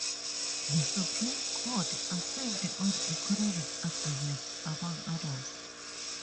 The Supreme Court affirmed on economic arguments, among others.